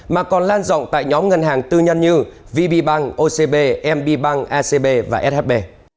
mà còn lan rộng tại nhóm ngân hàng tư nhân như vb bank ocb mb bank acb và shb